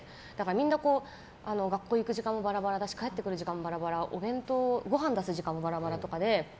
みんな、学校に行く時間もバラバラだし帰ってくる時間もバラバラごはん出す時間もバラバラで。